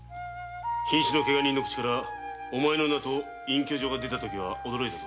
ひん死のケガ人の口からお前の名と隠居所が出たときは驚いた。